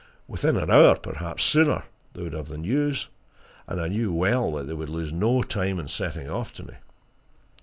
Within an hour, perhaps sooner, they would have the news, and I knew well that they would lose no time in setting off to me.